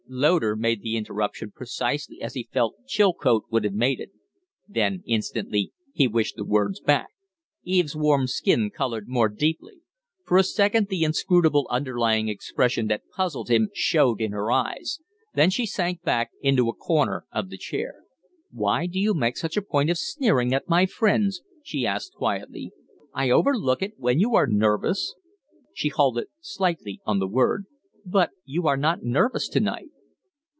Loder made the interruption precisely as he felt Chilcote would have made it. Then instantly he wished the words back. Eve's warm skin colored more deeply; for a second the inscrutable underlying expression that puzzled him showed in her eyes, then she sank back into a corner of the chair. "Why do you make such a point of sneering at my friends?" she asked, quietly. "I overlook it when you are nervous." She halted slightly on the word. "But you are not nervous tonight."